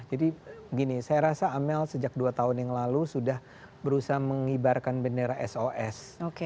jadi gini saya rasa amel sejak dua tahun yang lalu sudah berusaha menghibarkan bendera sos